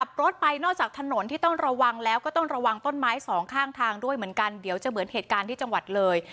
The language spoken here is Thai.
ขับรถไปนอกจากถนนที่ต้องระวังแล้วก็ต้องระวังต้นไม้สองข้างทางด้วยเหมือนกันเดี๋ยวจะเหมือนเหตุการณ์ที่จังหวัดเลย